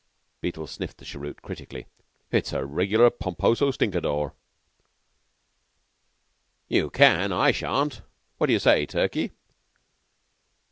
Beetle sniffed the cheroot critically. "It's a regular Pomposo Stinkadore." "You can; I shan't. What d'you say, Turkey?"